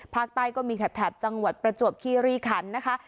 ภาคใต้ก็มีแถบจังหวัดประจวบคีรีคันนะคะ